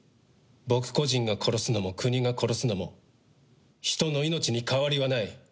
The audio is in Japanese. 僕個人が殺すのも国が殺すのも人の命に変わりはない。